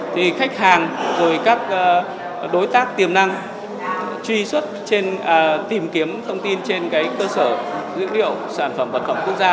thì khách hàng rồi các đối tác tiềm năng truy xuất tìm kiếm thông tin trên cơ sở dữ liệu sản phẩm vật cổng quốc gia